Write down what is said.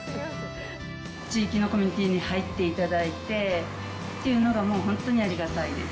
地域のコミュニティに入っていただいて、っていうのがもう本当にありがたいです。